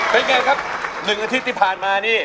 เป็นไงครับ๑อาทิตย์ที่ผ่านมานี่